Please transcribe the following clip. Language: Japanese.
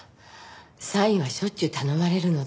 サインはしょっちゅう頼まれるので。